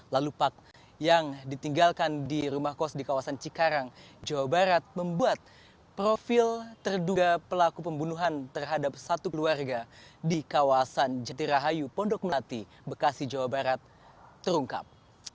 lalu pak yang ditinggalkan di rumah kos di kawasan cikarang jawa barat membuat profil terduga pelaku pembunuhan terhadap satu keluarga di kawasan jatirahayu pondok melati bekasi jawa barat terungkap